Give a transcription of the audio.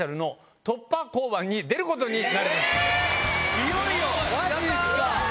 いよいよ！